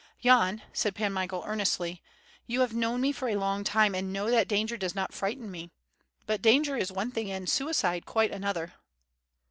"Yan," said Pan Michael, earnestly, you have known me for a long time and know that danger does not frighten me. But danger is one thing and suicide quite another!"